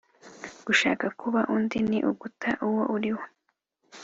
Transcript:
gushaka kuba undi ni uguta uwo uriwe.